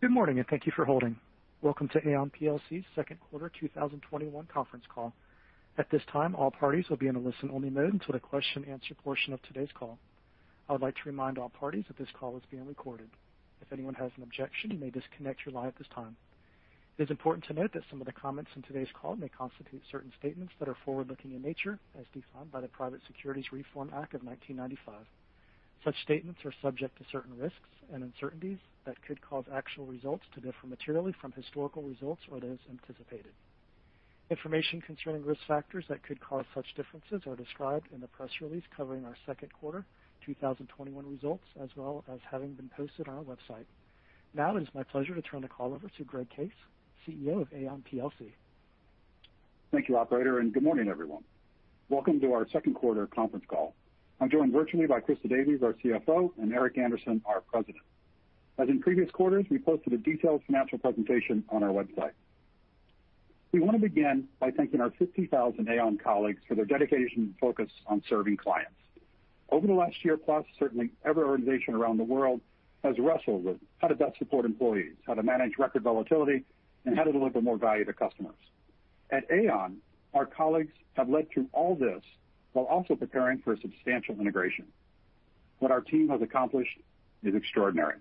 Good morning, and thank you for holding. Welcome to Aon plc's Q2 2021 conference call. At this time, all parties will be in a listen-only mode until the question and answer portion of today's call. I would like to remind all parties that this call is being recorded. If anyone has an objection, you may disconnect your line at this time. It is important to note that some of the comments in today's call may constitute certain statements that are forward-looking in nature, as defined by the Private Securities Litigation Reform Act of 1995. Such statements are subject to certain risks and uncertainties that could cause actual results to differ materially from historical results or those anticipated. Information concerning risk factors that could cause such differences are described in the press release covering our Q2 2021 results, as well as having been posted on our website. Now, it is my pleasure to turn the call over to Greg Case, CEO of Aon plc. Thank you, operator, and good morning, everyone. Welcome to our second quarter conference call. I'm joined virtually by Christa Davies, our CFO, and Eric Andersen, our president. As in previous quarters, we posted a detailed financial presentation on our website. We want to begin by thanking our 50,000 Aon colleagues for their dedication and focus on serving clients. Over the last year plus, certainly every organization around the world has wrestled with how to best support employees, how to manage record volatility, and how to deliver more value to customers. At Aon, our colleagues have led through all this while also preparing for a substantial integration. What our team has accomplished is extraordinary.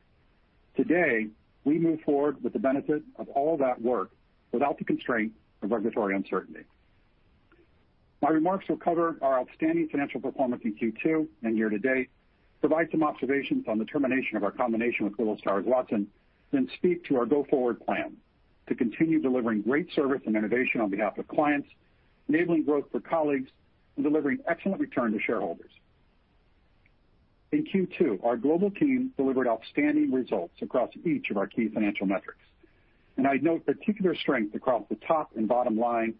Today, we move forward with the benefit of all that work without the constraint of regulatory uncertainty. My remarks will cover our outstanding financial performance in Q2 and year to date, provide some observations on the termination of our combination with Willis Towers Watson. Speak to our go-forward plan to continue delivering great service and innovation on behalf of clients, enabling growth for colleagues, and delivering excellent return to shareholders. In Q2, our global team delivered outstanding results across each of our key financial metrics, and I note particular strength across the top and bottom line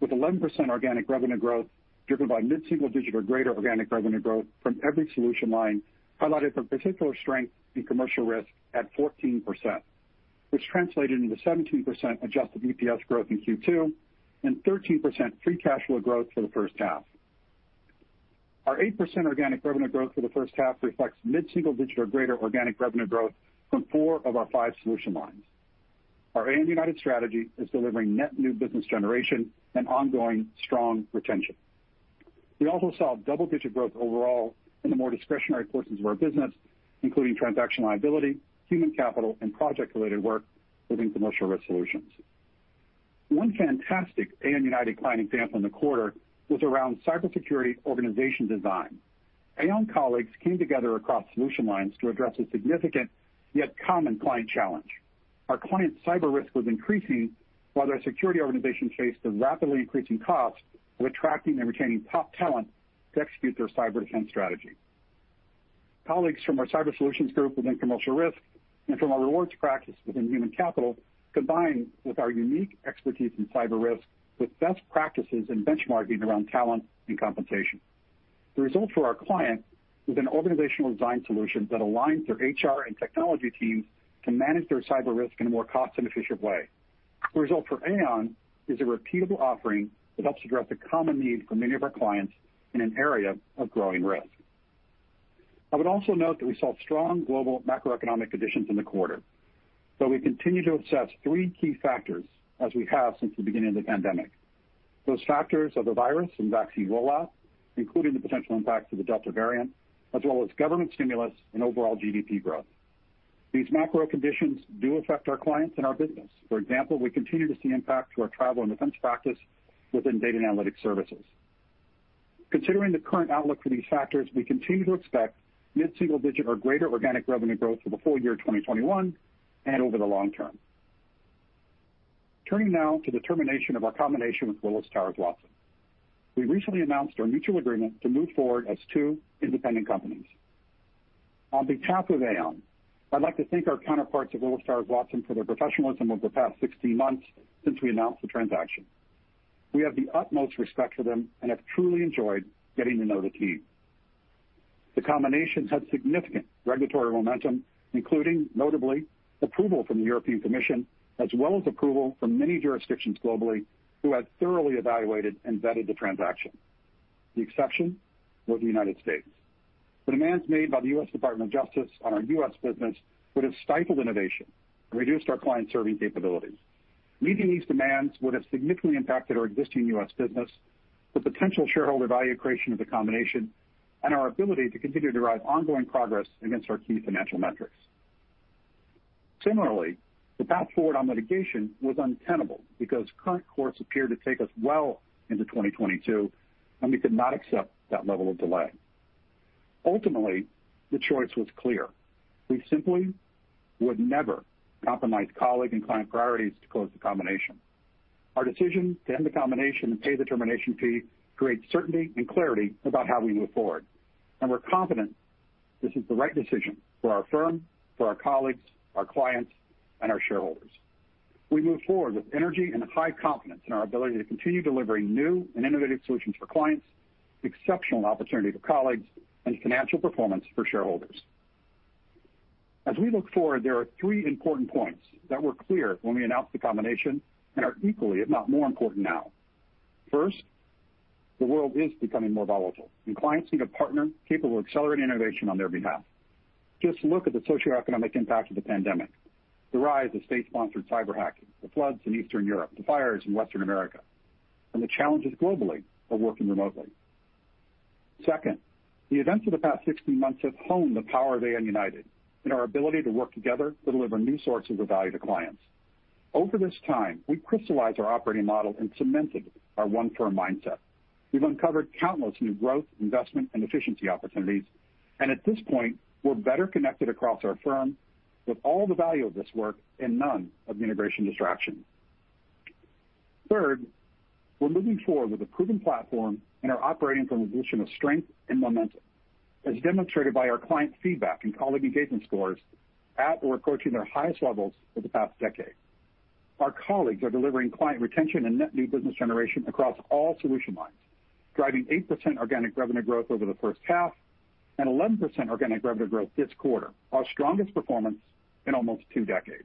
with 11% organic revenue growth driven by mid-single digit or greater organic revenue growth from every solution line, highlighted from particular strength in Commercial Risk at 14%, which translated into 17% adjusted EPS growth in Q2 and 13% free cash flow growth for the first half. Our 8% organic revenue growth for the first half reflects mid-single digit or greater organic revenue growth from four of our five solution lines. Our Aon United strategy is delivering net new business generation and ongoing strong retention. We also saw double-digit growth overall in the more discretionary portions of our business, including transaction liability, human capital, and project-related work within Commercial Risk Solutions. One fantastic Aon United client example in the quarter was around cybersecurity organization design. Aon colleagues came together across solution lines to address a significant, yet common, client challenge. Our client's cyber risk was increasing while their security organization faced the rapidly increasing costs of attracting and retaining top talent to execute their cyber defense strategy. Colleagues from our Cyber Solutions group within Commercial Risk and from our rewards practice within human capital combined with our unique expertise in cyber risk with best practices and benchmarking around talent and compensation. The result for our client was an organizational design solution that aligns their HR and technology teams to manage their cyber risk in a more cost-efficient way. The result for Aon is a repeatable offering that helps address a common need for many of our clients in an area of growing risk. I would also note that we saw strong global macroeconomic conditions in the quarter. We continue to assess three key factors as we have since the beginning of the pandemic. Those factors are the virus and vaccine rollout, including the potential impact of the Delta variant, as well as government stimulus and overall GDP growth. These macro conditions do affect our clients and our business. For example, we continue to see impact to our travel and events practice within Data & Analytic Services. Considering the current outlook for these factors, we continue to expect mid-single digit or greater organic revenue growth for the full year 2021 and over the long term. Turning now to the termination of our combination with Willis Towers Watson. We recently announced our mutual agreement to move forward as two independent companies. On behalf of Aon, I'd like to thank our counterparts at Willis Towers Watson for their professionalism over the past 16 months since we announced the transaction. We have the utmost respect for them and have truly enjoyed getting to know the team. The combination had significant regulatory momentum, including, notably, approval from the European Commission, as well as approval from many jurisdictions globally who had thoroughly evaluated and vetted the transaction. The exception was the United States. The demands made by the U.S. Department of Justice on our U.S. business would have stifled innovation and reduced our client-serving capabilities. Meeting these demands would have significantly impacted our existing U.S. business, the potential shareholder value creation of the combination, and our ability to continue to drive ongoing progress against our key financial metrics. Similarly, the path forward on litigation was untenable because current courts appeared to take us well into 2022, and we could not accept that level of delay. Ultimately, the choice was clear. We simply would never compromise colleague and client priorities to close the combination. Our decision to end the combination and pay the termination fee creates certainty and clarity about how we move forward, and we're confident this is the right decision for our firm, for our colleagues, our clients, and our shareholders. We move forward with energy and high confidence in our ability to continue delivering new and innovative solutions for clients, exceptional opportunity for colleagues, and financial performance for shareholders. As we look forward, there are three important points that were clear when we announced the combination and are equally, if not more important now. First, the world is becoming more volatile and clients need a partner capable of accelerating innovation on their behalf. Just look at the socioeconomic impact of the pandemic, the rise of state-sponsored cyber hacking, the floods in Eastern Europe, the fires in Western America, and the challenges globally of working remotely. Second, the events of the past 16 months have honed the power of Aon United and our ability to work together to deliver new sources of value to clients. Over this time, we crystallized our operating model and cemented our one firm mindset. We've uncovered countless new growth, investment, and efficiency opportunities, and at this point, we're better connected across our firm with all the value of this work and none of the integration distractions. Third, we're moving forward with a proven platform and are operating from a position of strength and momentum, as demonstrated by our client feedback and colleague engagement scores at or approaching their highest levels for the past decade. Our colleagues are delivering client retention and net new business generation across all solution lines, driving 8% organic revenue growth over the first half and 11% organic revenue growth this quarter, our strongest performance in almost two decades.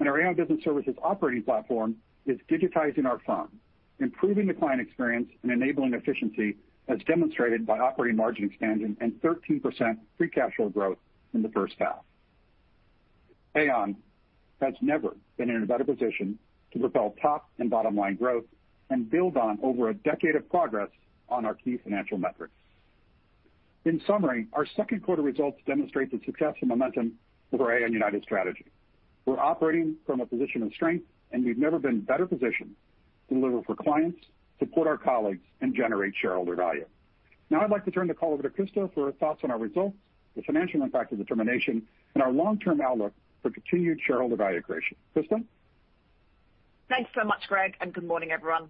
Our Aon Business Services operating platform is digitizing our firm, improving the client experience and enabling efficiency as demonstrated by operating margin expansion and 13% free cash flow growth in the first half. Aon has never been in a better position to propel top and bottom line growth and build on over a decade of progress on our key financial metrics. In summary, our second quarter results demonstrate the success and momentum of our Aon United strategy. We're operating from a position of strength, and we've never been better positioned to deliver for clients, support our colleagues, and generate shareholder value. Now I'd like to turn the call over to Christa for her thoughts on our results, the financial impact of the termination, and our long-term outlook for continued shareholder value creation. Christa? Thanks so much, Greg, and good morning, everyone.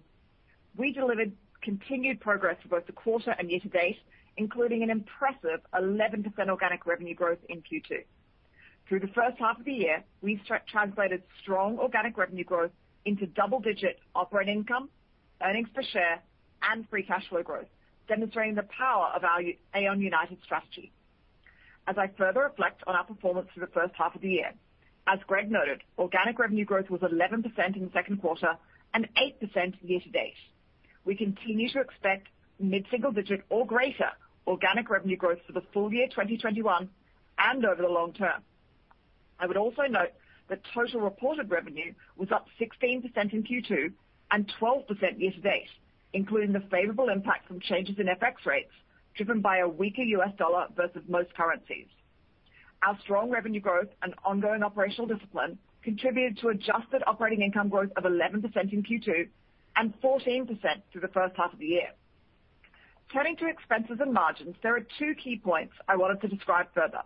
We delivered continued progress for both the quarter and year to date, including an impressive 11% organic revenue growth in Q2. Through the first half of the year, we translated strong organic revenue growth into double-digit operating income, earnings per share, and free cash flow growth, demonstrating the power of our Aon United strategy. As I further reflect on our performance for the first half of the year, as Greg noted, organic revenue growth was 11% in the second quarter and 8% year to date. We continue to expect mid-single digit or greater organic revenue growth for the full year 2021 and over the long term. I would also note that total reported revenue was up 16% in Q2 and 12% year to date, including the favorable impact from changes in FX rates driven by a weaker US dollar versus most currencies. Our strong revenue growth and ongoing operational discipline contributed to adjusted operating income growth of 11% in Q2 and 14% through the first half of the year. Turning to expenses and margins, there are two key points I wanted to describe further.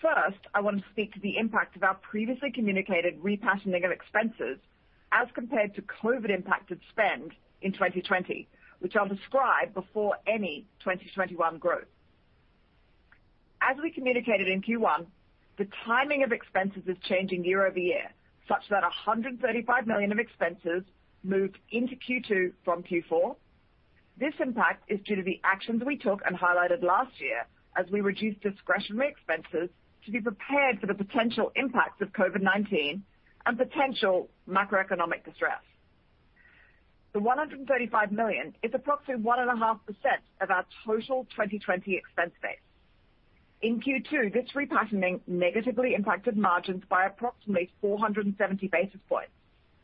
First, I want to speak to the impact of our previously communicated repatterning of expenses as compared to COVID impacted spend in 2020, which I'll describe before any 2021 growth. As we communicated in Q1, the timing of expenses is changing year over year, such that $135 million of expenses moved into Q2 from Q4. This impact is due to the actions we took and highlighted last year as we reduced discretionary expenses to be prepared for the potential impacts of COVID-19 and potential macroeconomic distress. The $135 million is approximately 1.5% of our total 2020 expense base. In Q2, this repatterning negatively impacted margins by approximately 470 basis points,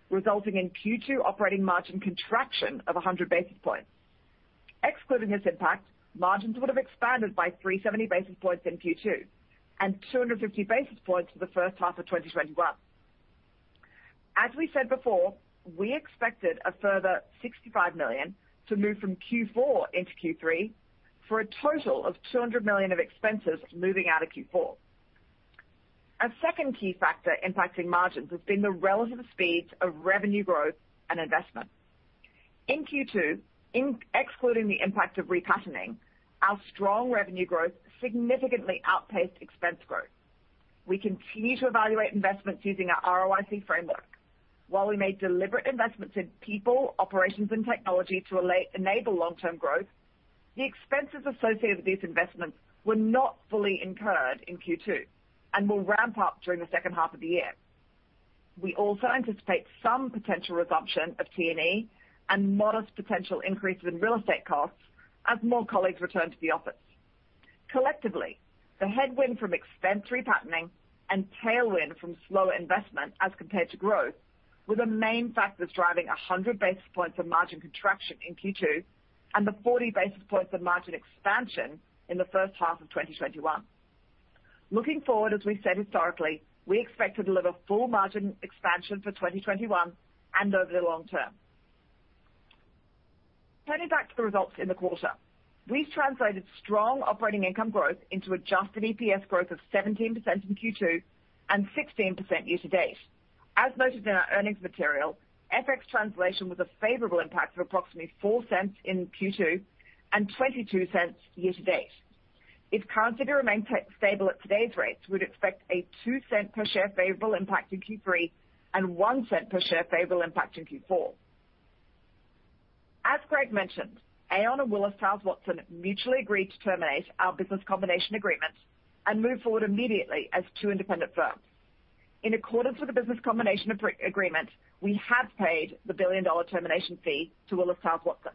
resulting in Q2 operating margin contraction of 100 basis points. Excluding this impact, margins would have expanded by 370 basis points in Q2 and 250 basis points for the first half of 2021. As we said before, we expected a further $65 million to move from Q4 into Q3 for a total of $200 million of expenses moving out of Q4. A second key factor impacting margins has been the relative speeds of revenue growth and investment. In Q2, excluding the impact of repatterning, our strong revenue growth significantly outpaced expense growth. We continue to evaluate investments using our ROIC framework. While we made deliberate investments in people, operations and technology to enable long-term growth, the expenses associated with these investments were not fully incurred in Q2 and will ramp up during the second half of the year. We also anticipate some potential resumption of T&E and modest potential increases in real estate costs as more colleagues return to the office. Collectively, the headwind from expense repatterning and tailwind from slower investment as compared to growth were the main factors driving 100 basis points of margin contraction in Q2 and the 40 basis points of margin expansion in the first half of 2021. Looking forward, as we've said historically, we expect to deliver full margin expansion for 2021 and over the long term. Turning back to the results in the quarter. We've translated strong operating income growth into adjusted EPS growth of 17% in Q2 and 16% year to date. As noted in our earnings material, FX translation was a favorable impact of approximately $0.04 in Q2 and $0.22 year to date. If currency remains stable at today's rates, we'd expect a $0.02 per share favorable impact in Q3 and $0.01 per share favorable impact in Q4. As Greg mentioned, Aon and Willis Towers Watson mutually agreed to terminate our business combination agreement and move forward immediately as two independent firms. In accordance with the business combination agreement, we have paid the billion-dollar termination fee to Willis Towers Watson.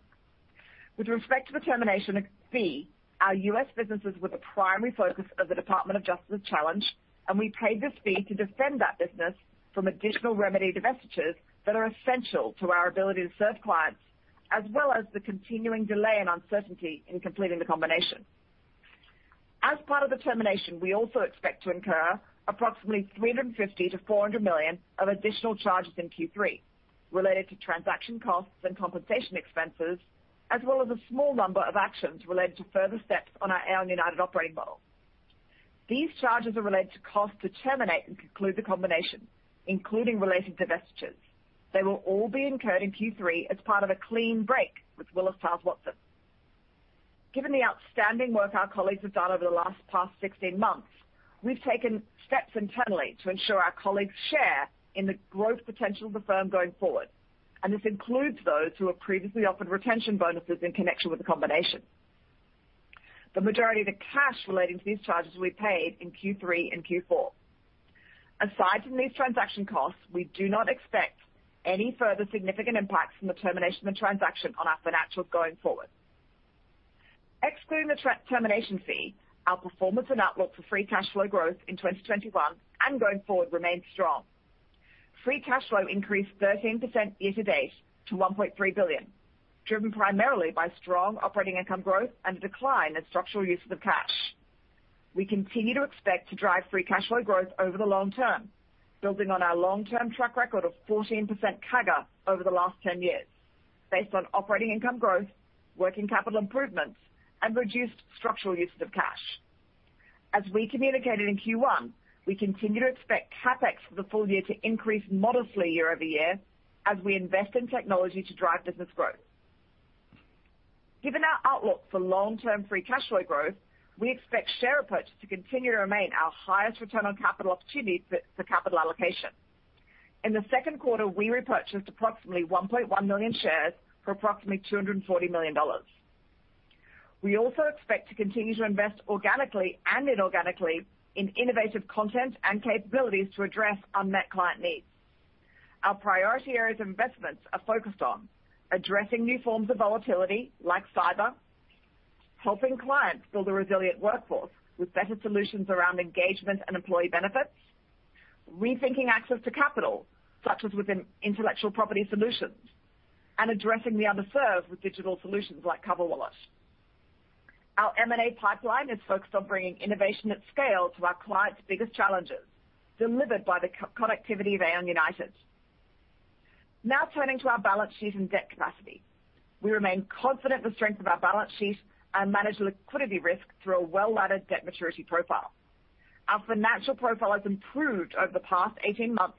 With respect to the termination fee, our U.S. businesses were the primary focus of the Department of Justice challenge, and we paid this fee to defend that business from additional remedy divestitures that are essential to our ability to serve clients, as well as the continuing delay and uncertainty in completing the combination. As part of the termination, we also expect to incur approximately $350 million-$400 million of additional charges in Q3 related to transaction costs and compensation expenses, as well as a small number of actions related to further steps on our Aon United operating model. These charges are related to costs to terminate and conclude the combination, including related divestitures. They will all be incurred in Q3 as part of a clean break with Willis Towers Watson. Given the outstanding work our colleagues have done over the last past 16 months, we've taken steps internally to ensure our colleagues share in the growth potential of the firm going forward. This includes those who were previously offered retention bonuses in connection with the combination. The majority of the cash relating to these charges will be paid in Q3 and Q4. Aside from these transaction costs, we do not expect any further significant impacts from the termination of transaction on our financials going forward. Excluding the termination fee, our performance and outlook for free cash flow growth in 2021 and going forward remains strong. Free cash flow increased 13% year-to-date to $1.3 billion, driven primarily by strong operating income growth and a decline in structural uses of cash. We continue to expect to drive free cash flow growth over the long term, building on our long-term track record of 14% CAGR over the last 10 years based on operating income growth, working capital improvements, and reduced structural uses of cash. As we communicated in Q1, we continue to expect CapEx for the full year to increase modestly year-over-year as we invest in technology to drive business growth. Given our outlook for long-term free cash flow growth, we expect share repurchase to continue to remain our highest return on capital opportunity for capital allocation. In the second quarter, we repurchased approximately 1.1 million shares for approximately $240 million. We also expect to continue to invest organically and inorganically in innovative content and capabilities to address unmet client needs. Our priority areas of investments are focused on addressing new forms of volatility like cyber, helping clients build a resilient workforce with better solutions around engagement and employee benefits, rethinking access to capital, such as within intellectual property solutions, and addressing the underserved with digital solutions like CoverWallet. Our M&A pipeline is focused on bringing innovation at scale to our clients' biggest challenges, delivered by the connectivity of Aon United. Now turning to our balance sheet and debt capacity. We remain confident in the strength of our balance sheet and manage liquidity risk through a well-laddered debt maturity profile. Our financial profile has improved over the past 18 months,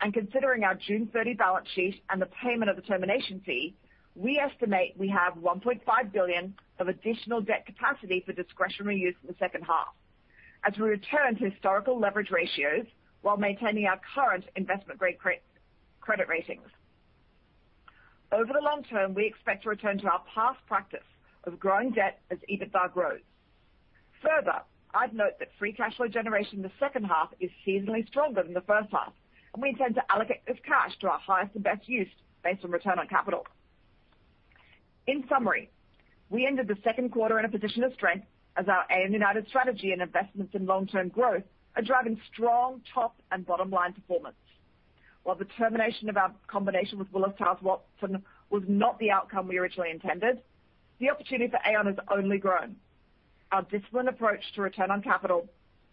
and considering our June 30 balance sheet and the payment of the termination fee, we estimate we have $1.5 billion of additional debt capacity for discretionary use in the second half as we return to historical leverage ratios while maintaining our current investment credit ratings. Over the long term, we expect to return to our past practice of growing debt as EBITDA grows. Further, I'd note that free cash flow generation in the second half is seasonally stronger than the first half, and we intend to allocate this cash to our highest and best use based on return on capital. In summary, we ended the second quarter in a position of strength as our Aon United strategy and investments in long-term growth are driving strong top and bottom line performance. While the termination of our combination with Willis Towers Watson was not the outcome we originally intended, the opportunity for Aon has only grown. Our disciplined approach to return on capital,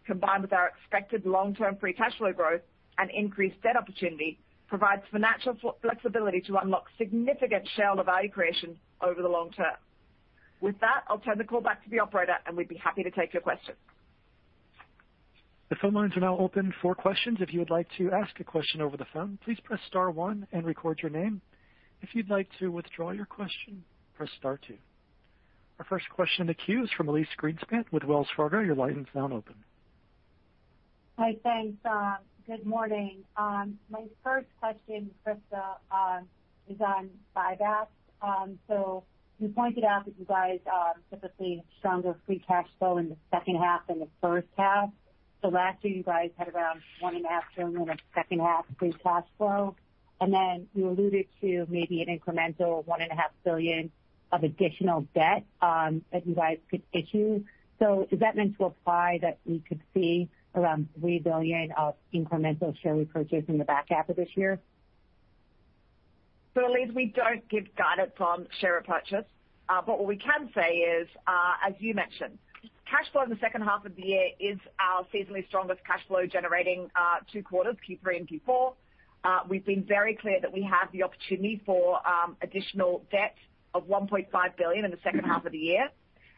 combined with our expected long-term free cash flow growth and increased debt opportunity, provides financial flexibility to unlock significant shareholder value creation over the long term. With that, I'll turn the call back to the operator, and we'd be happy to take your questions. The phone lines are now open for questions. If you would like to ask a question over the phone, please press star one and record your name. If you'd like to withdraw your question, press star two. Our first question in the queue is from Elyse Greenspan with Wells Fargo. Your line is now open. Hi. Thanks. Good morning. My first question, Christa, is on buyback. You pointed out that you guys are typically stronger free cash flow in the second half than the first half. Last year, you guys had around $1.5 billion in second half free cash flow, and then you alluded to maybe an incremental $1.5 billion of additional debt that you guys could issue. Is that meant to imply that we could see around $3 billion of incremental share repurchase in the back half of this year? Elyse, we don't give guidance on share repurchase. What we can say is, as you mentioned, cash flow in the second half of the year is our seasonally strongest cash flow generating two quarters, Q3 and Q4. We've been very clear that we have the opportunity for additional debt of $1.5 billion in the second half of the year,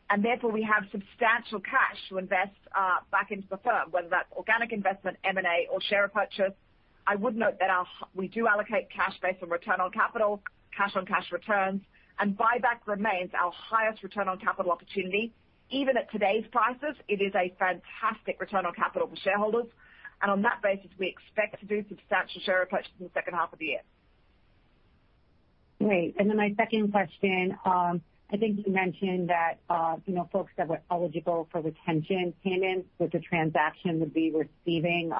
and therefore we have substantial cash to invest back into the firm, whether that's organic investment, M&A, or share repurchase. I would note that we do allocate cash based on return on capital, cash on cash returns, and buyback remains our highest return on capital opportunity. Even at today's prices, it is a fantastic return on capital for shareholders. On that basis, we expect to do substantial share repurchase in the second half of the year. Great. My second question, I think you mentioned that folks that were eligible for retention payments with the transaction would be receiving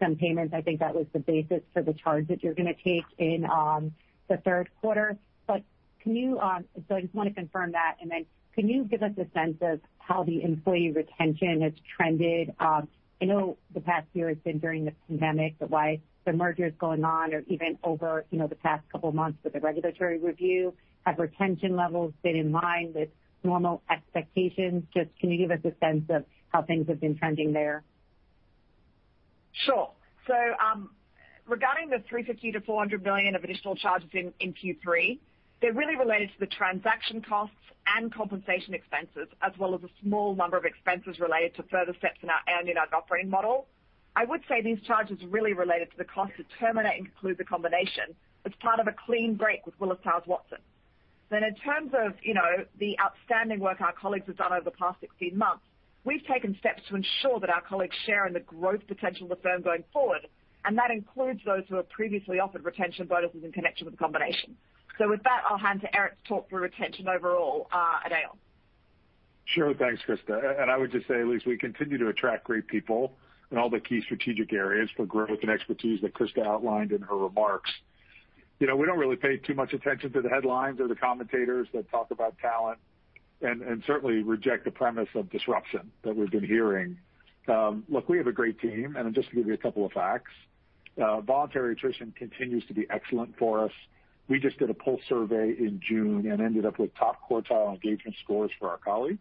some payments. I think that was the basis for the charge that you're going to take in the third quarter. I just want to confirm that. Can you give us a sense of how the employee retention has trended? I know the past year has been during the pandemic, but while the merger's going on or even over the past couple of months with the regulatory review, have retention levels been in line with normal expectations? Can you give us a sense of how things have been trending there? Sure. Regarding the $350 million-$400 million of additional charges in Q3, they're really related to the transaction costs and compensation expenses, as well as a small number of expenses related to further steps in our operating model. I would say these charges are really related to the cost to terminate and conclude the combination as part of a clean break with Willis Towers Watson. In terms of the outstanding work our colleagues have done over the past 16 months, we've taken steps to ensure that our colleagues share in the growth potential of the firm going forward, and that includes those who were previously offered retention bonuses in connection with the combination. With that, I'll hand to Eric to talk through retention overall at Aon. Sure. Thanks, Christa. I would just say, Elyse, we continue to attract great people in all the key strategic areas for growth and expertise that Christa outlined in her remarks. We don't really pay too much attention to the headlines or the commentators that talk about talent, and certainly reject the premise of disruption that we've been hearing. Look, we have a great team, just to give you a couple of facts, voluntary attrition continues to be excellent for us. We just did a pulse survey in June ended up with top quartile engagement scores for our colleagues.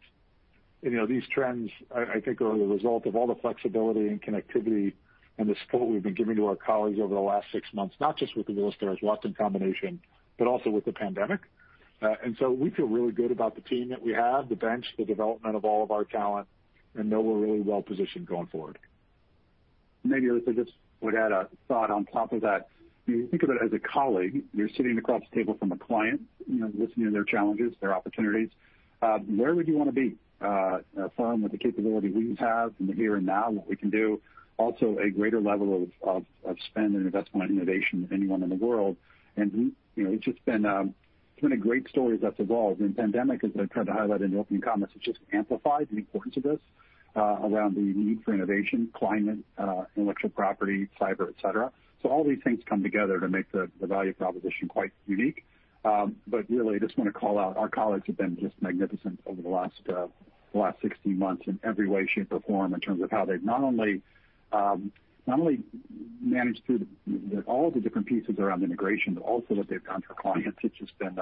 These trends, I think, are the result of all the flexibility and connectivity and the support we've been giving to our colleagues over the last six months, not just with the Willis Towers Watson combination, but also with the pandemic. We feel really good about the team that we have, the bench, the development of all of our talent, and know we're really well-positioned going forward. Maybe I just would add a thought on top of that. When you think of it as a colleague, you're sitting across the table from a client, listening to their challenges, their opportunities. Where would you want to be? A firm with the capability we have in the here and now and what we can do. Also, a greater level of spend and investment in innovation than anyone in the world. It's just been a great story as that's evolved. The pandemic, as I tried to highlight in the opening comments, has just amplified the importance of this around the need for innovation, climate, intellectual property, cyber, et cetera. All these things come together to make the value proposition quite unique. Really, I just want to call out our colleagues have been just magnificent over the last 16 months in every way, shape, or form in terms of how they've not only managed through all the different pieces around integration, but also what they've done for clients. It's just been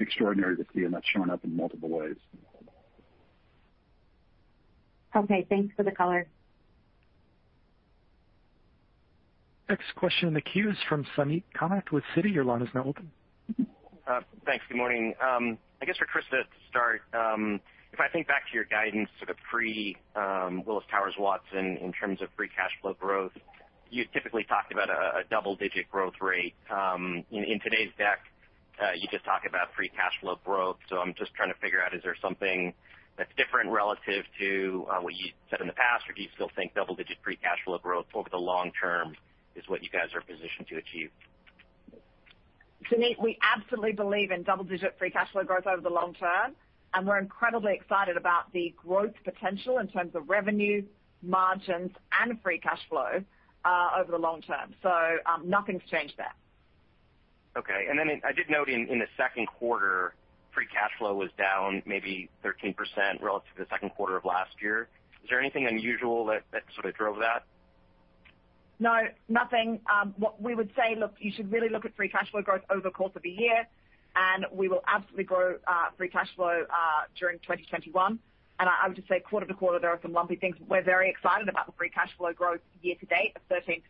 extraordinary to see, and that's shown up in multiple ways. Okay, thanks for the color. Next question in the queue is from Suneet Kamath with Citi. Your line is now open. Thanks. Good morning. I guess for Christa to start, if I think back to your guidance sort of pre-Willis Towers Watson in terms of free cash flow growth, you typically talked about a double-digit growth rate. In today's deck, you just talk about free cash flow growth. I'm just trying to figure out, is there something that's different relative to what you said in the past, or do you still think double-digit free cash flow growth over the long term is what you guys are positioned to achieve? Suneet, we absolutely believe in double-digit free cash flow growth over the long term, and we're incredibly excited about the growth potential in terms of revenue, margins, and free cash flow over the long term. Nothing's changed there. I did note in the second quarter, free cash flow was down maybe 13% relative to the second quarter of last year. Is there anything unusual that sort of drove that? No, nothing. What we would say, look, you should really look at free cash flow growth over the course of a year, and we will absolutely grow free cash flow during 2021. I would just say quarter to quarter, there are some lumpy things. We're very excited about the free cash flow growth year to date of 13%.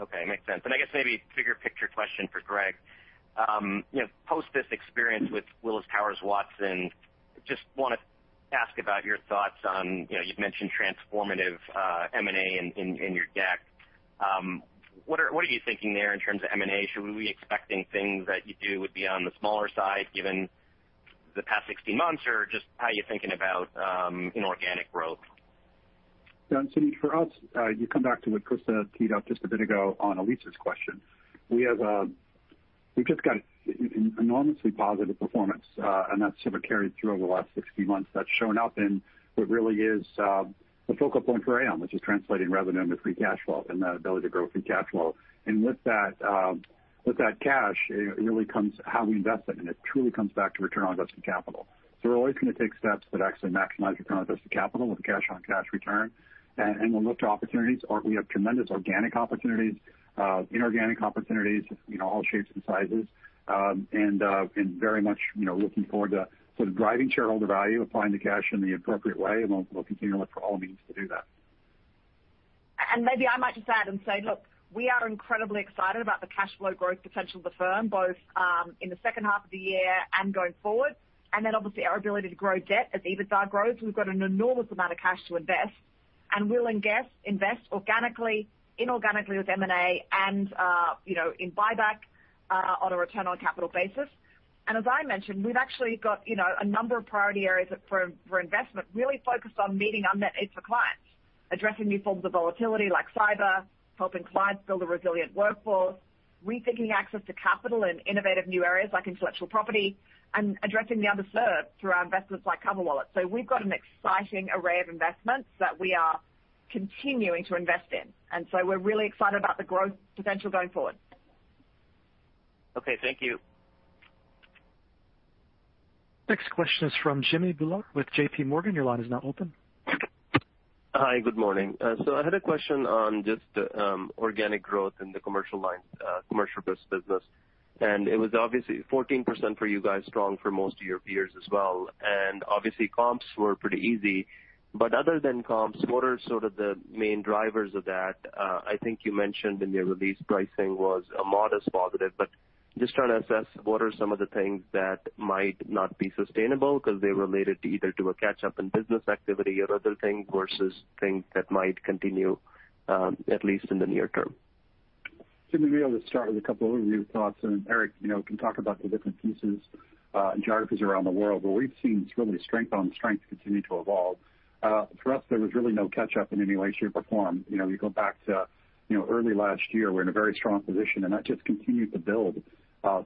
Okay. Makes sense. I guess maybe bigger picture question for Greg. Post this experience with Willis Towers Watson, just want to ask about your thoughts on, you'd mentioned transformative M&A in your deck. What are you thinking there in terms of M&A? Should we be expecting things that you do would be on the smaller side given the past 16 months? Just how are you thinking about inorganic growth? Yeah. Suneet, for us, you come back to what Christa teed up just a bit ago on Elyse's question. We've just got enormously positive performance, and that's sort of carried through over the last 16 months. That's shown up in what really is the focal point for Aon, which is translating revenue into free cash flow and the ability to grow free cash flow. With that cash, it really comes how we invest it, and it truly comes back to return on invested capital. We're always going to take steps that actually maximize return on invested capital with a cash-on-cash return. We'll look to opportunities. We have tremendous organic opportunities, inorganic opportunities, all shapes and sizes, and very much looking forward to sort of driving shareholder value, applying the cash in the appropriate way, and we'll continue to look for all means to do that. Maybe I might just add and say, look, we are incredibly excited about the cash flow growth potential of the firm, both in the second half of the year and going forward. Then obviously our ability to grow debt as EBITDA grows. We've got an enormous amount of cash to invest, and we'll invest organically, inorganically with M&A and in buyback on a return on capital basis. As I mentioned, we've actually got a number of priority areas for investment really focused on meeting unmet needs for clients, addressing new forms of volatility like cyber, helping clients build a resilient workforce, rethinking access to capital in innovative new areas like intellectual property, and addressing the underserved through our investments like CoverWallet. We've got an exciting array of investments that we are continuing to invest in, and so we're really excited about the growth potential going forward. Okay. Thank you. Next question is from Jimmy Bhullar with JPMorgan. Your line is now open. Hi. Good morning. I had a question on just organic growth in the commercial lines, Commercial Risk business. It was obviously 14% for you guys, strong for most of your peers as well, and obviously comps were pretty easy. Other than comps, what are sort of the main drivers of that? I think you mentioned in your release pricing was a modest positive, but just trying to assess what are some of the things that might not be sustainable because they related either to a catch-up in business activity or other things versus things that might continue, at least in the near term. Jimmy, maybe I'll just start with a couple of overview thoughts, and then Eric can talk about the different pieces and geographies around the world. We've seen really strength on strength continue to evolve. For us, there was really no catch-up in any way, shape, or form. You go back to early last year, we were in a very strong position, and that just continued to build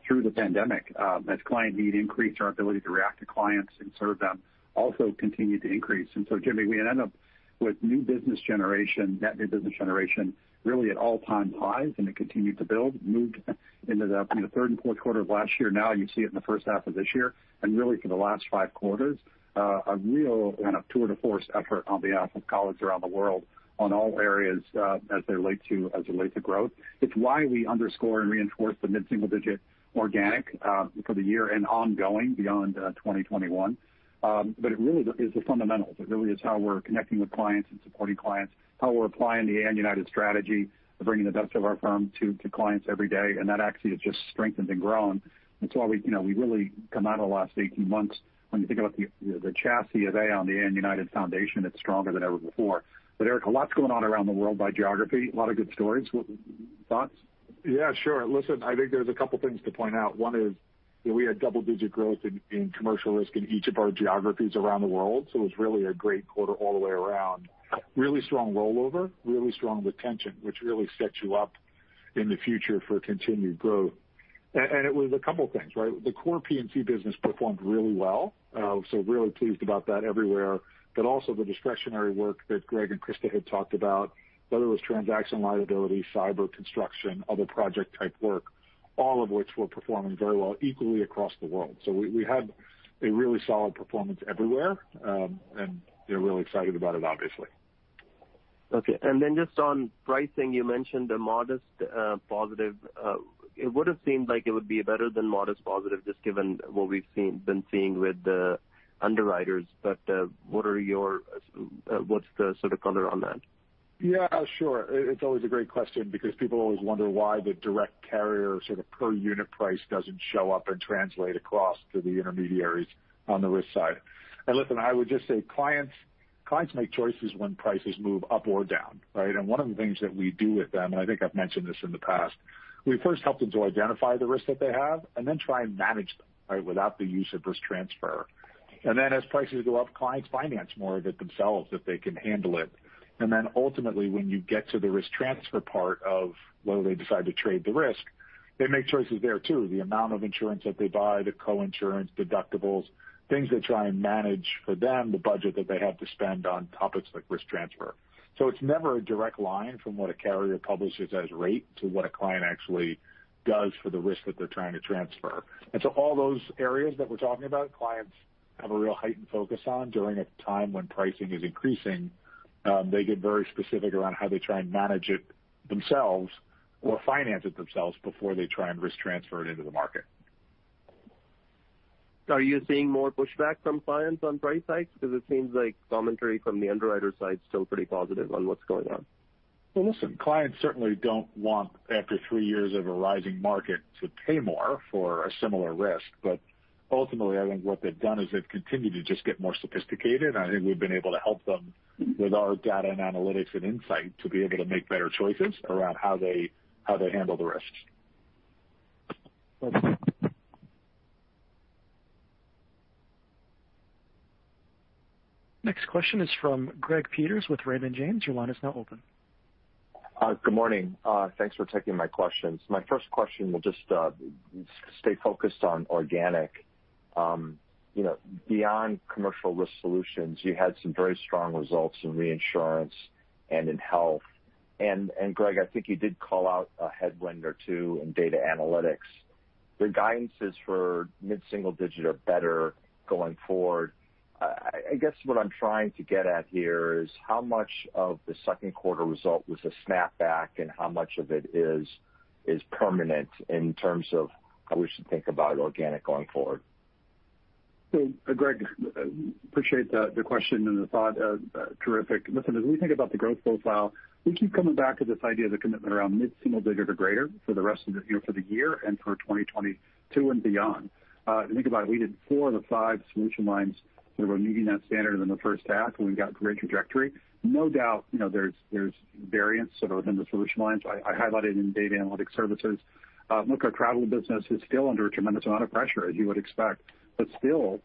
through the pandemic. As client need increased, our ability to react to clients and serve them also continued to increase. Jimmy, we had ended up with new business generation, net new business generation really at all-time highs, and it continued to build, moved into the third and fourth quarter of last year. Now you see it in the first half of this year and really for the last five quarters, a real kind of tour de force effort on behalf of colleagues around the world on all areas as it relates to growth. It's why we underscore and reinforce the mid-single digit organic for the year and ongoing beyond 2021. It really is the fundamentals. It really is how we're connecting with clients and supporting clients, how we're applying the Aon United strategy, bringing the best of our firm to clients every day, and that actually has just strengthened and grown. That's why we've really come out of the last 18 months, when you think about the chassis of Aon, the Aon United foundation, it's stronger than ever before. Eric, a lot's going on around the world by geography, a lot of good stories. Thoughts? Yeah, sure. Listen, I think there's a couple things to point out. One is that we had double-digit growth in Commercial Risk in each of our geographies around the world, so it was really a great quarter all the way around. Really strong rollover, really strong retention, which really sets you up in the future for continued growth. It was a couple things, right? The core P&C business performed really well, so really pleased about that everywhere. Also the discretionary work that Greg and Christa had talked about, whether it was transaction liability, Cyber, construction, other project-type work, all of which were performing very well equally across the world. We had a really solid performance everywhere, and we are really excited about it, obviously. Okay. Just on pricing, you mentioned a modest positive. It would have seemed like it would be a better than modest positive, just given what we've been seeing with the underwriters. What's the sort of color on that? Yeah, sure. It's always a great question because people always wonder why the direct carrier sort of per unit price doesn't show up and translate across to the intermediaries on the risk side. Listen, I would just say clients make choices when prices move up or down, right? One of the things that we do with them, and I think I've mentioned this in the past, we first help them to identify the risk that they have and then try and manage them, right, without the use of risk transfer. As prices go up, clients finance more of it themselves if they can handle it. Ultimately, when you get to the risk transfer part of whether they decide to trade the risk, they make choices there, too. The amount of insurance that they buy, the co-insurance, deductibles, things they try and manage for them, the budget that they have to spend on topics like risk transfer. It's never a direct line from what a carrier publishes as rate to what a client actually does for the risk that they're trying to transfer. All those areas that we're talking about, clients have a real heightened focus on during a time when pricing is increasing. They get very specific around how they try and manage it themselves or finance it themselves before they try and risk transfer it into the market. Are you seeing more pushback from clients on price hikes? It seems like commentary from the underwriter side's still pretty positive on what's going on. Well, listen, clients certainly don't want, after three years of a rising market, to pay more for a similar risk. Ultimately, I think what they've done is they've continued to just get more sophisticated, and I think we've been able to help them with our Data & Analytic Services and insight to be able to make better choices around how they handle the risk. Thanks. Next question is from Greg Peters with Raymond James. Your line is now open. Good morning. Thanks for taking my questions. My first question will just stay focused on organic. Beyond Commercial Risk Solutions, you had some very strong results in reinsurance and in health. Greg, I think you did call out a headwind or two in data analytics. The guidances for mid-single digit are better going forward. I guess what I'm trying to get at here is how much of the second quarter result was a snapback and how much of it is permanent in terms of how we should think about organic going forward? Greg, appreciate the question and the thought. Terrific. Listen, as we think about the growth profile, we keep coming back to this idea of the commitment around mid-single digit or greater for the year and for 2022 and beyond. If you think about it, we did four of the five solution lines that were meeting that standard in the first half, and we've got great trajectory. No doubt there's variance sort of in the solution lines. I highlighted in Data & Analytic Services. Look, our travel business is still under a tremendous amount of pressure, as you would expect. Still,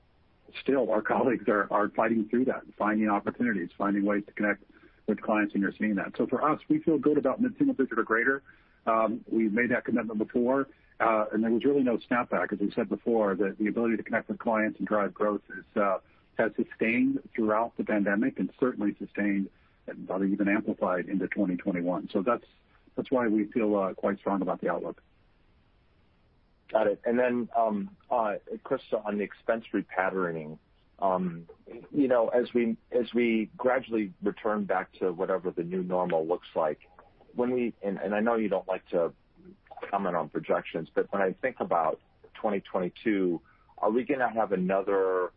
our colleagues are fighting through that and finding opportunities, finding ways to connect with clients, and you're seeing that. For us, we feel good about mid-single digit or greater. We've made that commitment before, there was really no snap back, as we said before, that the ability to connect with clients and drive growth has sustained throughout the pandemic and certainly sustained and probably even amplified into 2021. That's why we feel quite strong about the outlook. Got it. Christa, on the expense repatterning. As we gradually return back to whatever the new normal looks like, and I know you don't like to comment on projections, but when I think about 2022, are we going to have another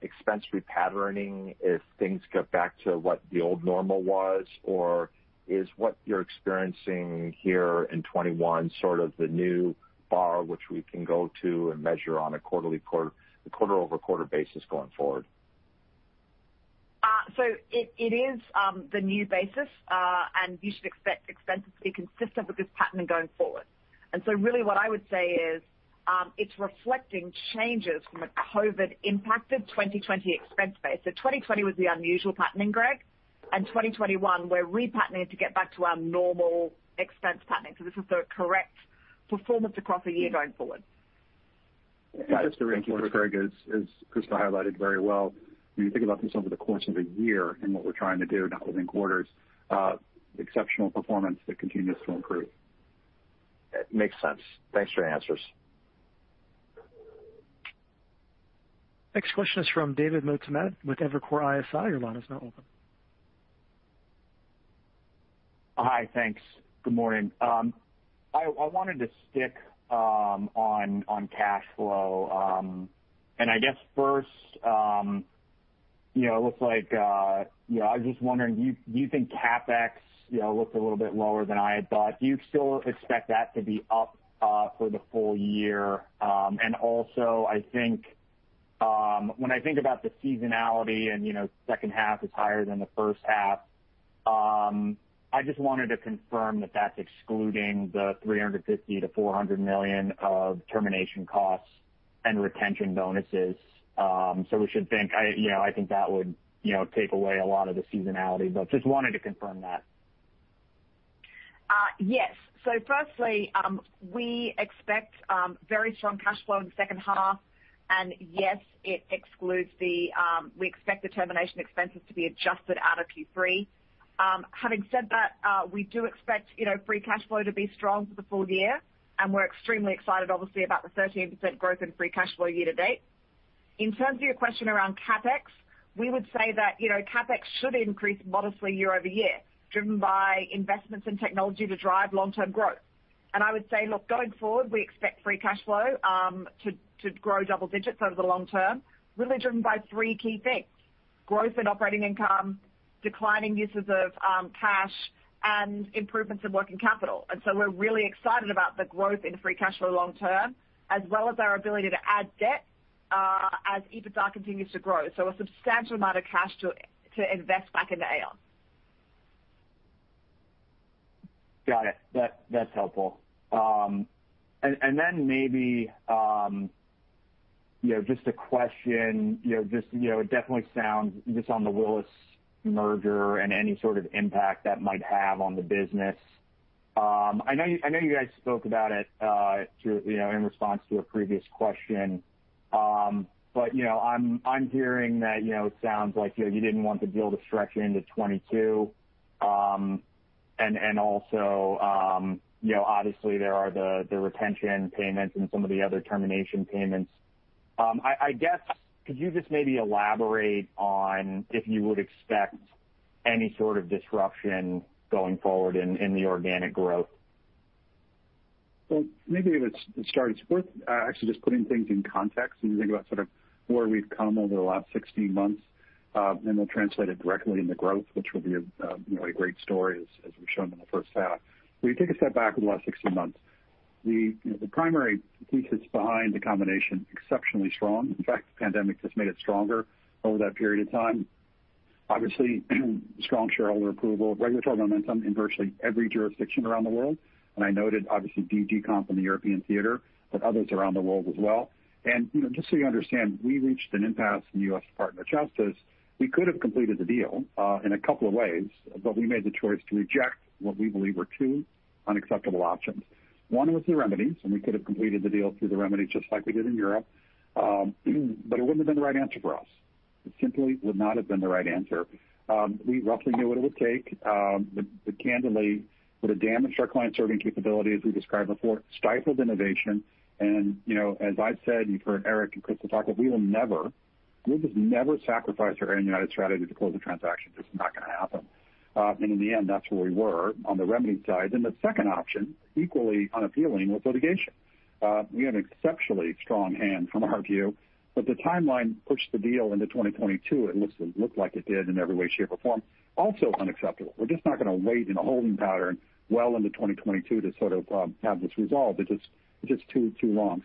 expense repatterning if things get back to what the old normal was? Or is what you're experiencing here in 2021 sort of the new bar which we can go to and measure on a quarter-over-quarter basis going forward? It is the new basis, you should expect expenses to be consistent with this pattern going forward. Really what I would say is it's reflecting changes from a COVID-impacted 2020 expense base. 2020 was the unusual pattern, Greg, 2021, we're repatterning to get back to our normal expense pattern. This is the correct performance across a year going forward. Yeah. Just to reinforce, Greg, as Christa highlighted very well, when you think about this over the course of a year and what we're trying to do, not within quarters, exceptional performance that continues to improve. Makes sense. Thanks for your answers. Next question is from David Motemaden with Evercore ISI. Your line is now open. Hi. Thanks. Good morning. I wanted to stick on cash flow. I guess first, I was just wondering, you think CapEx looks a little bit lower than I had thought. Do you still expect that to be up for the full year? Also, when I think about the seasonality and second half is higher than the first half, I just wanted to confirm that that's excluding the $350 million-$400 million of termination costs and retention bonuses. I think that would take away a lot of the seasonality, just wanted to confirm that. Firstly, we expect very strong cash flow in the second half, and yes, it excludes, we expect the termination expenses to be adjusted out of Q3. Having said that, we do expect free cash flow to be strong for the full year, and we're extremely excited, obviously, about the 13% growth in free cash flow year to date. In terms of your question around CapEx, we would say that CapEx should increase modestly year-over-year, driven by investments in technology to drive long-term growth. I would say, look, going forward, we expect free cash flow to grow double digits over the long term, really driven by three key things, growth in operating income, declining uses of cash, and improvements in working capital. We're really excited about the growth in free cash flow long term, as well as our ability to add debt as EBITDA continues to grow. A substantial amount of cash to invest back into Aon. Got it. That's helpful. Then maybe just a question, it definitely sounds, just on the Willis merger and any sort of impact that might have on the business. I know you guys spoke about it in response to a previous question. I'm hearing that it sounds like you didn't want the deal to stretch into 2022. Also, obviously there are the retention payments and some of the other termination payments. I guess, could you just maybe elaborate on if you would expect any sort of disruption going forward in the organic growth? Well, maybe it's worth actually just putting things in context when you think about sort of where we've come over the last 16 months, and we'll translate it directly into growth, which will be a great story as we've shown in the first half. When you take a step back over the last 16 months, the primary thesis behind the combination, exceptionally strong. The pandemic has made it stronger over that period of time. Strong shareholder approval, regulatory momentum in virtually every jurisdiction around the world. I noted, obviously, DG Comp in the European theater, but others around the world as well. Just so you understand, we reached an impasse in the U.S. Department of Justice. We could have completed the deal in a couple of ways, but we made the choice to reject what we believe were two unacceptable options. One was the remedies, and we could have completed the deal through the remedies just like we did in Europe. It wouldn't have been the right answer for us. It simply would not have been the right answer. We roughly knew what it would take. Candidly, it would have damaged our client-serving capability as we described before, stifled innovation, and as I've said, and you've heard Eric Andersen and Christa Davies talk, that we will never sacrifice our Aon United strategy to close a transaction. It's just not going to happen. In the end, that's where we were on the remedies side. The second option, equally unappealing, was litigation. We had an exceptionally strong hand from our view, but the timeline pushed the deal into 2022. It looked like it did in every way, shape, or form. Also unacceptable. We're just not going to wait in a holding pattern well into 2022 to sort of have this resolved. It's just too long.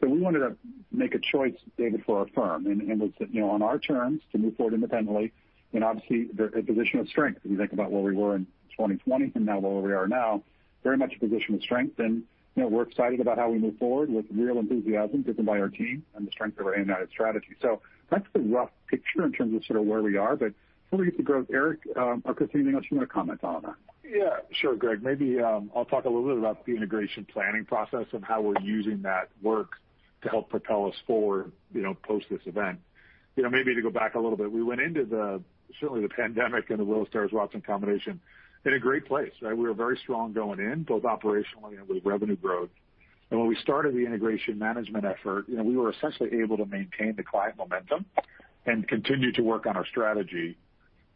We wanted to make a choice, David, for our firm, and it was on our terms to move forward independently. Obviously, they're a position of strength when you think about where we were in 2020 from now where we are now, very much a position of strength. We're excited about how we move forward with real enthusiasm driven by our team and the strength of our Aon United strategy. That's the rough picture in terms of sort of where we are, but when we get to growth, Eric or Christa, anything else you want to comment on that? Yeah. Sure, Greg. Maybe I'll talk a little bit about the integration planning process and how we're using that work To help propel us forward post this event. Maybe to go back a little bit, we went into the, certainly the pandemic and the Willis Towers Watson combination in a great place, right? We were very strong going in, both operationally and with revenue growth. When we started the integration management effort, we were essentially able to maintain the client momentum and continue to work on our strategy.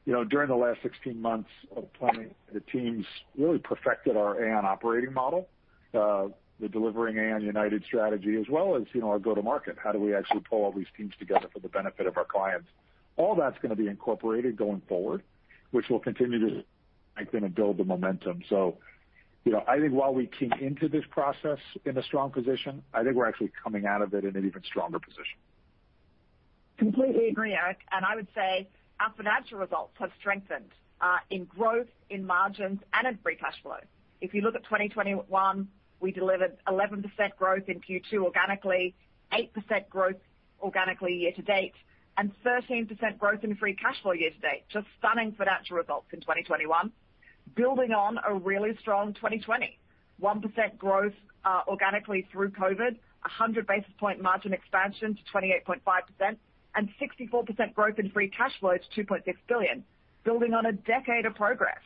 During the last 16 months of planning, the teams really perfected our Aon operating model, the delivering Aon United strategy, as well as our go-to-market. How do we actually pull all these teams together for the benefit of our clients? All that's going to be incorporated going forward, which will continue to strengthen and build the momentum. I think while we came into this process in a strong position, I think we're actually coming out of it in an even stronger position. Completely agree, Eric, and I would say our financial results have strengthened in growth, in margins, and in free cash flow. If you look at 2021, we delivered 11% growth in Q2 organically, 8% growth organically year to date, and 13% growth in free cash flow year to date. Just stunning financial results in 2021. Building on a really strong 2020. 1% growth organically through COVID, 100 basis point margin expansion to 28.5%, and 64% growth in free cash flow to $2.6 billion. Building on a decade of progress,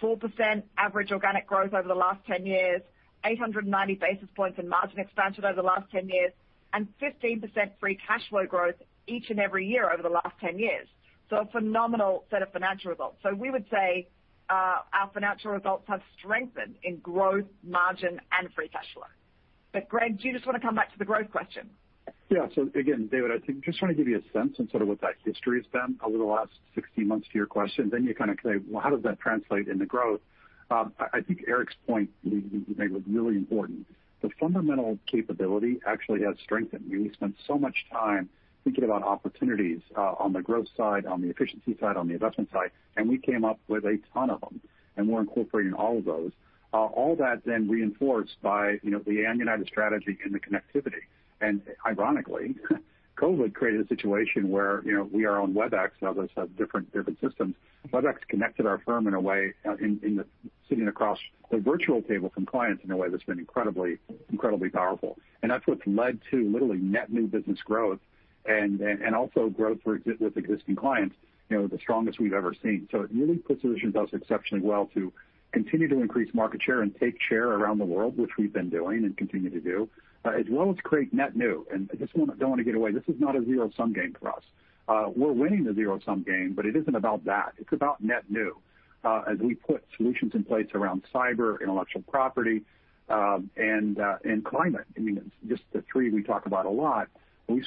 4% average organic growth over the last 10 years, 890 basis points in margin expansion over the last 10 years, and 15% free cash flow growth each and every year over the last 10 years. A phenomenal set of financial results. We would say our financial results have strengthened in growth, margin, and free cash flow. Greg, do you just want to come back to the growth question? Again, David, I think just want to give you a sense in sort of what that history has been over the last 16 months to your question. You kind of say, "Well, how does that translate into growth?" I think Eric's point he made was really important. The fundamental capability actually has strengthened. We spent so much time thinking about opportunities on the growth side, on the efficiency side, on the investment side, and we came up with a ton of them, and we're incorporating all of those. All that then reinforced by the Aon United strategy and the connectivity. Ironically, COVID created a situation where we are on Webex and others have different systems. Webex connected our firm in a way, in the sitting across the virtual table from clients in a way that's been incredibly powerful. That's what's led to literally net new business growth and also growth with existing clients, the strongest we've ever seen. It really positions us exceptionally well to continue to increase market share and take share around the world, which we've been doing and continue to do, as well as create net new. I just don't want to get away. This is not a zero-sum game for us. We're winning the zero-sum game, but it isn't about that. It's about net new. We put solutions in place around cyber, intellectual property, and climate. Just the three we talk about a lot, but we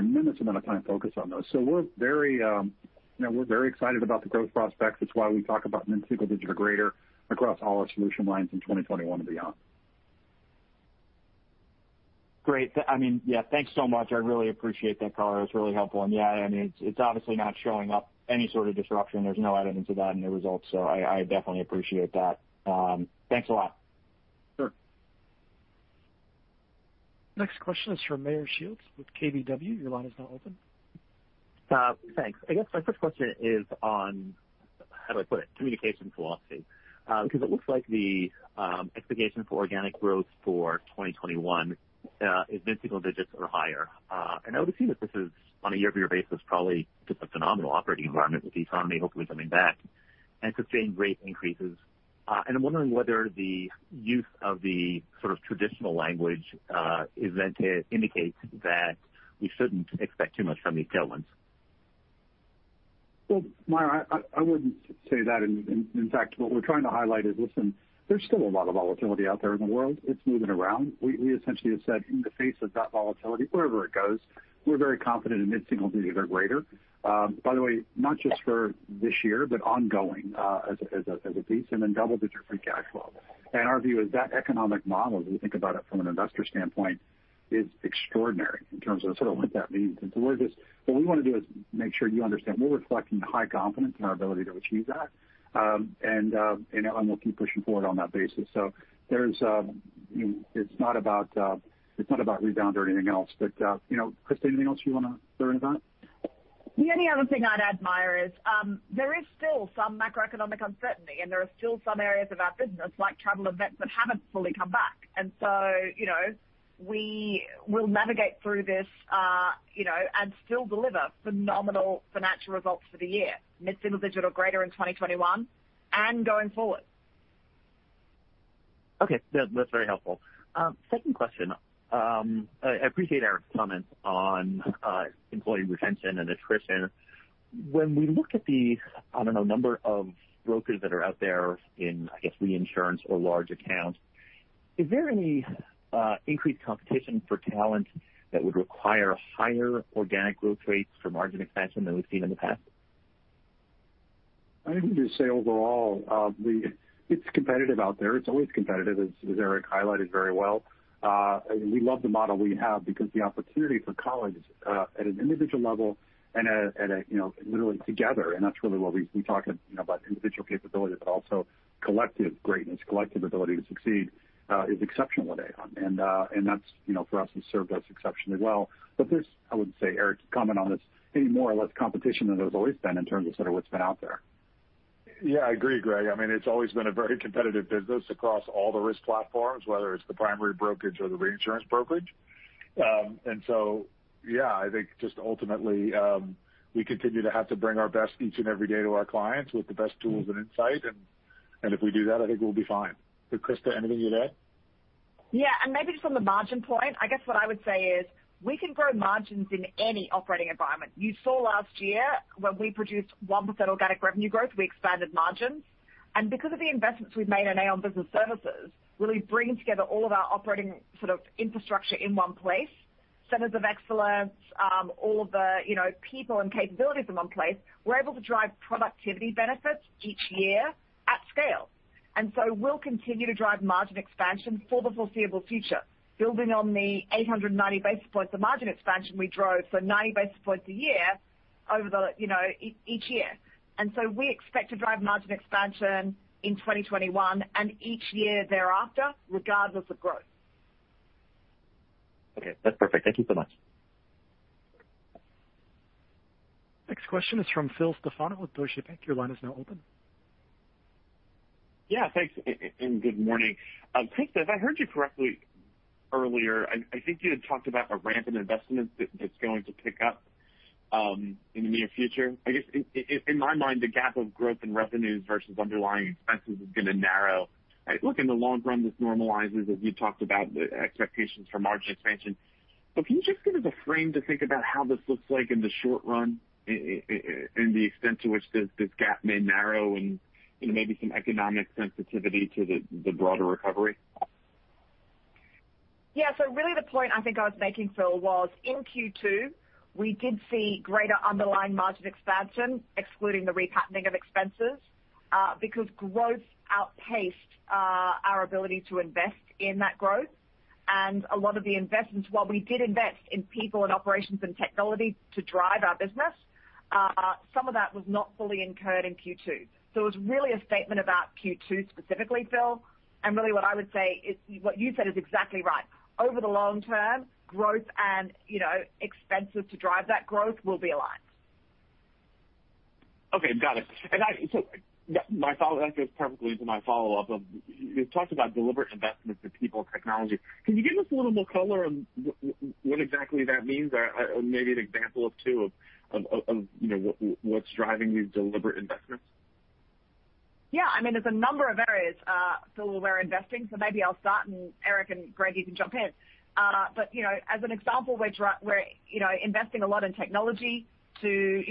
spend a tremendous amount of time focused on those. We're very excited about the growth prospects. That's why we talk about mid-single-digit or greater across all our solution lines in 2021 and beyond. Great. Yeah, thanks so much. I really appreciate that color. It is really helpful. Yeah, it is obviously not showing up any sort of disruption. There is no evidence of that in the results, so I definitely appreciate that. Thanks a lot. Sure. Next question is from Meyer Shields with KBW. Your line is now open. Thanks. I guess my first question is on, how do I put it? Communication philosophy. It looks like the expectation for organic growth for 2021 is mid-single digits or higher. I would assume that this is on a year-over-year basis, probably just a phenomenal operating environment with the economy hopefully coming back and sustained rate increases. I'm wondering whether the use of the sort of traditional language indicates that we shouldn't expect too much from these tailwinds. Well, Meyer, I wouldn't say that. In fact, what we're trying to highlight is, listen, there's still a lot of volatility out there in the world. It's moving around. We essentially have said in the face of that volatility, wherever it goes, we're very confident in mid-single digits or greater. By the way, not just for this year, but ongoing as a piece, and then double-digit free cash flow. Our view is that economic model, as we think about it from an investor standpoint, is extraordinary in terms of sort of what that means. What we want to do is make sure you understand we're reflecting high confidence in our ability to achieve that. We'll keep pushing forward on that basis. It's not about rebound or anything else, but Christa, anything else you want to throw in on that? The only other thing I'd add, Meyer, is there is still some macroeconomic uncertainty, and there are still some areas of our business, like travel and events, that haven't fully come back. We will navigate through this and still deliver phenomenal financial results for the year, mid-single digit or greater in 2021 and going forward. Okay. That's very helpful. Second question. I appreciate Eric's comments on employee retention and attrition. When we look at the, I don't know, number of brokers that are out there in, I guess, reinsurance or large accounts, is there any increased competition for talent that would require higher organic growth rates for margin expansion than we've seen in the past? I would just say overall, it's competitive out there. It's always competitive, as Eric highlighted very well. We love the model we have because the opportunity for colleagues at an individual level and literally together, and that's really what we talk about individual capability, but also collective greatness, collective ability to succeed is exceptional at Aon. And that for us has served us exceptionally well. But there's, I wouldn't say, Eric, to comment on this, any more or less competition than there's always been in terms of sort of what's been out there. Yeah, I agree, Greg. It's always been a very competitive business across all the risk platforms, whether it's the primary brokerage or the reinsurance brokerage. Yeah, I think just ultimately, we continue to have to bring our best each and every day to our clients with the best tools and insight. If we do that, I think we'll be fine. Christa, anything you'd add? Yeah. Maybe just on the margin point, I guess what I would say is we can grow margins in any operating environment. You saw last year when we produced 1% organic revenue growth, we expanded margins. Because of the investments we've made in Aon Business Services, really bringing together all of our operating infrastructure in one place, centers of excellence, all of the people and capabilities in one place, we're able to drive productivity benefits each year at scale. We'll continue to drive margin expansion for the foreseeable future, building on the 890 basis points of margin expansion we drove, so 90 basis points a year over each year. We expect to drive margin expansion in 2021 and each year thereafter, regardless of growth. Okay, that's perfect. Thank you so much. Next question is from Phil Stefano with Deutsche Bank. Your line is now open. Yeah, thanks, and good morning. Christa, if I heard you correctly earlier, I think you had talked about a ramp in investments that's going to pick up in the near future. I guess, in my mind, the gap of growth in revenues versus underlying expenses is going to narrow. I look in the long run, this normalizes as you talked about the expectations for margin expansion. Can you just give us a frame to think about how this looks like in the short run, and the extent to which this gap may narrow and maybe some economic sensitivity to the broader recovery? Yeah. Really the point I think I was making, Phil, was in Q2, we did see greater underlying margin expansion, excluding the re-pacing of expenses, because growth outpaced our ability to invest in that growth. A lot of the investments, while we did invest in people and operations and technology to drive our business, some of that was not fully incurred in Q2. It was really a statement about Q2 specifically, Phil, and really what I would say is what you said is exactly right. Over the long term, growth and expenses to drive that growth will be aligned. Okay, got it. That goes perfectly into my follow-up of, you talked about deliberate investments in people and technology. Can you give us a little more color on what exactly that means or maybe an example or two of what's driving these deliberate investments? Yeah, there's a number of areas, Phil, we're investing. Maybe I'll start and Eric and Greg, you can jump in. As an example, we're investing a lot in technology to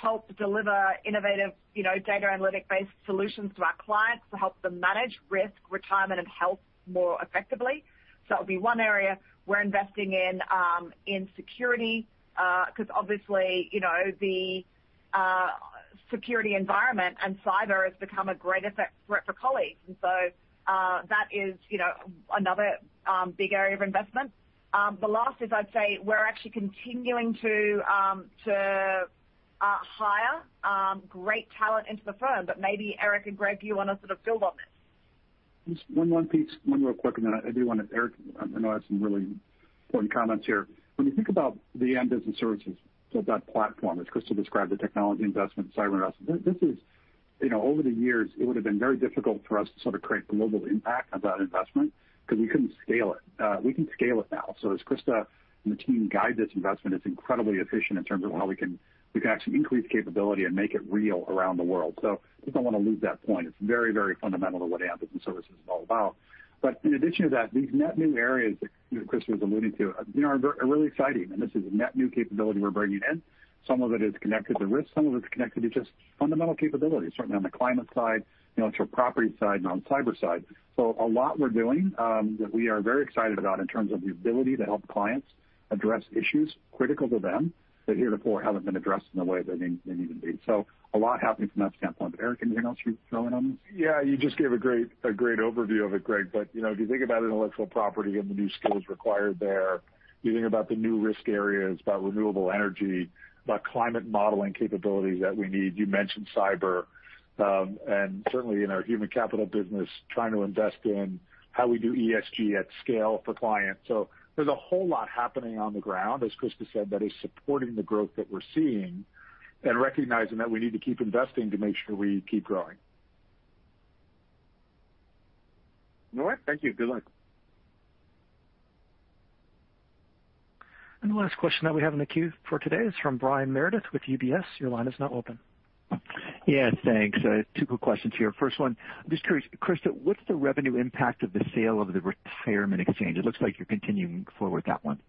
help deliver innovative data analytic-based solutions to our clients to help them manage risk, retirement, and health more effectively. That would be one area. We're investing in security, because obviously, the security environment and cyber has become a great threat for colleagues. That is another big area of investment. The last is I'd say we're actually continuing to hire great talent into the firm. Maybe Eric and Greg, you want to sort of build on this. One more quick. Then I do want to, Eric, I know has some really important comments here. When you think about Aon Business Services, so that platform, as Christa described, the technology investment, cyber investment. Over the years, it would have been very difficult for us to sort of create global impact on that investment because we couldn't scale it. We can scale it now. As Christa and the team guide this investment, it's incredibly efficient in terms of how we can actually increase capability and make it real around the world. Just don't want to lose that point. It's very fundamental to what Aon Business Services is all about. In addition to that, these net new areas that Christa was alluding to are really exciting, and this is a net new capability we're bringing in. Some of it is connected to risk, some of it's connected to just fundamental capabilities, certainly on the climate side, into our property side and on cyber side. A lot we're doing that we are very excited about in terms of the ability to help clients address issues critical to them that heretofore haven't been addressed in the way they need to be. A lot happening from that standpoint. Eric, anything else you'd want to add on this? Yeah, you just gave a great overview of it, Greg. If you think about intellectual property and the new skills required there, you think about the new risk areas, about renewable energy, about climate modeling capabilities that we need. You mentioned cyber, and certainly in our Human Capital business, trying to invest in how we do ESG at scale for clients. There's a whole lot happening on the ground, as Christa said, that is supporting the growth that we're seeing and recognizing that we need to keep investing to make sure we keep growing. All right. Thank you. Good luck. The last question that we have in the queue for today is from Brian Meredith with UBS. Your line is now open. Yeah, thanks. Two quick questions here. First one, just curious, Christa, what's the revenue impact of the sale of the Aon Retiree Health Exchange? It looks like you're continuing forward with that one.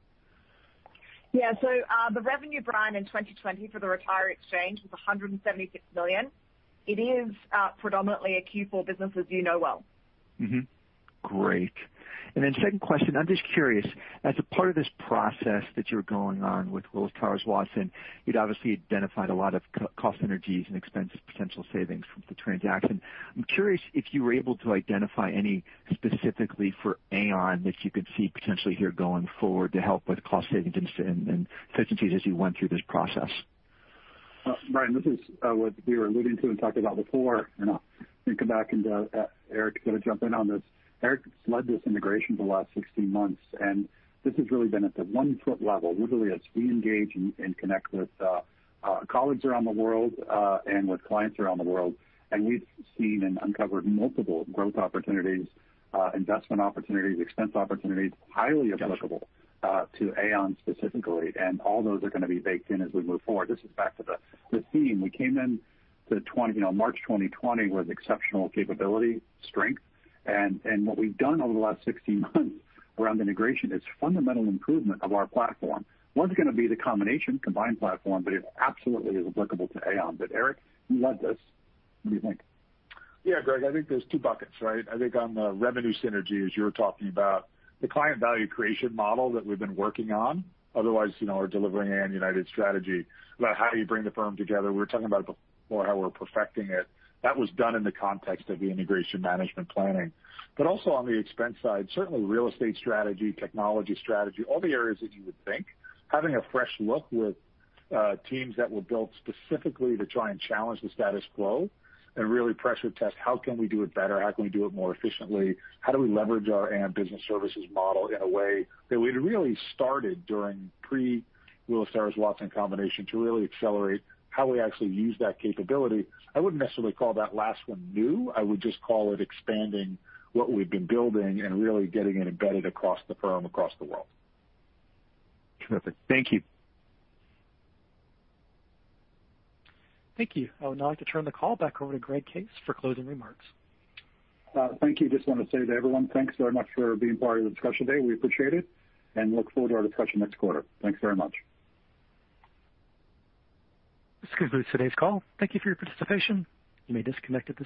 Yeah. The revenue, Brian, in 2020 for the Retiree Exchange was $176 million. It is predominantly a Q4 business, as you know well. Great. Second question, I'm just curious, as a part of this process that you're going on with Willis Towers Watson, you'd obviously identified a lot of cost synergies and expense potential savings from the transaction. I'm curious if you were able to identify any specifically for Aon that you could see potentially here going forward to help with cost savings and efficiencies as you went through this process. Brian, this is what we were alluding to and talked about before. Come back into-- Eric's going to jump in on this. Eric led this integration for the last 16 months, and this has really been at the 1-foot level, literally, as we engage and connect with colleagues around the world, and with clients around the world. We've seen and uncovered multiple growth opportunities, investment opportunities, expense opportunities, highly applicable to Aon specifically. All those are going to be baked in as we move forward. This is back to the theme. We came in March 2020 with exceptional capability, strength, and what we've done over the last 16 months around integration is fundamental improvement of our platform. One's going to be the combination combined platform, but it absolutely is applicable to Aon. Eric, you led this. What do you think? Yeah, Greg, I think there's two buckets, right? I think on the revenue synergy, as you were talking about, the client value creation model that we've been working on, otherwise, our delivering Aon United strategy, about how you bring the firm together. We were talking about before how we're perfecting it. That was done in the context of the integration management planning. Also on the expense side, certainly real estate strategy, technology strategy, all the areas that you would think. Having a fresh look with teams that were built specifically to try and challenge the status quo and really pressure test how can we do it better, how can we do it more efficiently, how do we leverage our Aon Business Services model in a way that we'd really started during pre-Willis Towers Watson combination to really accelerate how we actually use that capability. I wouldn't necessarily call that last one new. I would just call it expanding what we've been building and really getting it embedded across the firm, across the world. Terrific. Thank you. Thank you. I would now like to turn the call back over to Greg Case for closing remarks. Thank you. Just want to say to everyone, thanks very much for being part of the discussion today. We appreciate it, and look forward to our discussion next quarter. Thanks very much. This concludes today's call. Thank you for your participation. You may disconnect at this time.